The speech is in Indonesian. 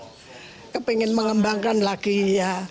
saya ingin mengembangkan lagi ya